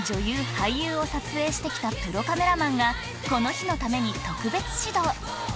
俳優を撮影して来たプロカメラマンがこの日のために特別指導